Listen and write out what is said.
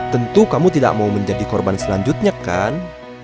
tentu kamu tidak mau menjadi korban selanjutnya kan